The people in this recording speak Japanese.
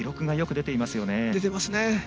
出ていますね。